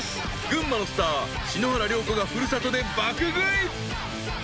［群馬のスター篠原涼子が古里で爆食い］